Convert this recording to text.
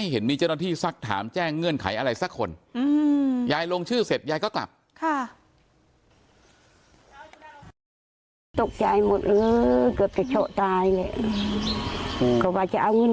เราดูจะไปหาที่ไหน